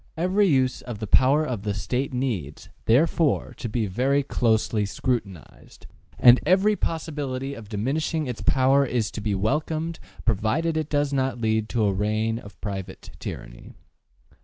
Every use of the power of the State needs, therefore, to be very closely scrutinized, and every possibility of diminishing its power is to be welcomed provided it does not lead to a reign of private tyranny.